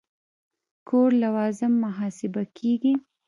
کور لوازم محاسبه کېږي.